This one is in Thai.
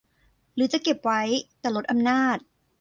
หรือจะเก็บไว้ แต่ลดอำนาจ